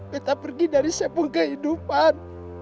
betta pergi dari siapung kehidupan